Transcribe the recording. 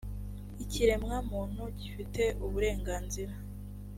ikiremwamuntu gifite uburenganzira.